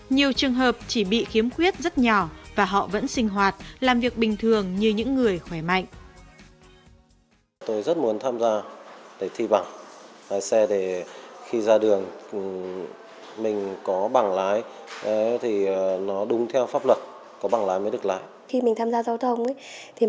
nhiều trường hợp chỉ bị khiếm khuyết rất nhỏ và họ vẫn sinh hoạt làm việc bình thường như những người khỏe mạnh